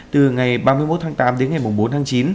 từ ngày ba mươi một tháng tám đến ngày bốn tháng chín